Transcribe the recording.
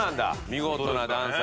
見事なダンス。